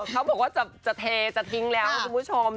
เขาบอกว่าจะเทจะทิ้งแล้วคุณผู้ชม